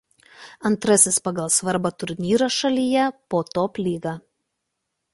Antrasis pagal svarbą turnyras šalyje po Top Liga.